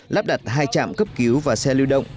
lắp đặt hai trạm cấp cứu và xe lưu động